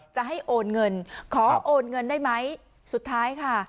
จะให้โอนเงินขอโอนเงินได้ไหมสุดท้ายค่ะ